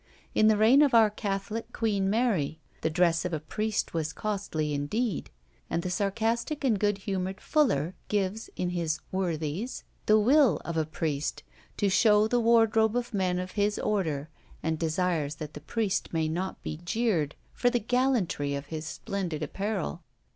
In the reign of our catholic Queen Mary, the dress of a priest was costly indeed; and the sarcastic and good humoured Fuller gives, in his Worthies, the will of a priest, to show the wardrobe of men of his order, and desires that the priest may not be jeered for the gallantry of his splendid apparel.